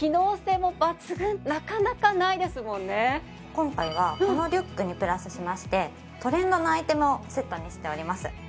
今回はこのリュックにプラスしましてトレンドのアイテムをセットにしております。